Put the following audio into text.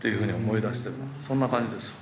そんな感じですよ。